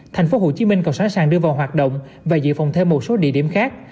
tp hcm còn sẵn sàng đưa vào hoạt động và dự phòng thêm một số địa điểm khác